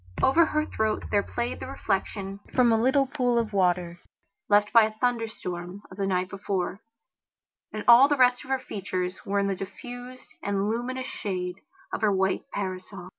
Over her throat there played the reflection from a little pool of water, left by a thunderstorm of the night before, and all the rest of her features were in the diffused and luminous shade of her white parasol.